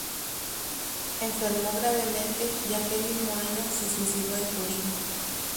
Enfermó gravemente, y aquel mismo año se suicidó en Turín.